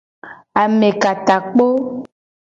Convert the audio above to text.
Amekatakpo.